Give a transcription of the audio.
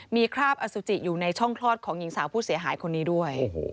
มีคราบอสุจิอยู่ในช่องคลอดของหญิงสาวผู้เสียหายคนนี้ด้วย